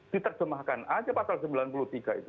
diterjemahkan aja pasal sembilan puluh tiga itu